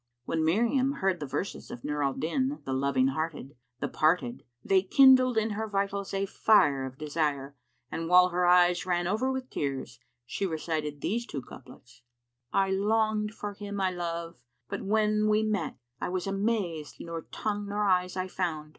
When Miriam heard the verses of Nur al Din the loving hearted, the parted; they kindled in her vitals a fire of desire, and while her eyes ran over with tears, she recited these two couplets, "I longed for him I love; but, when we met, * I was amazed nor tongue nor eyes I found.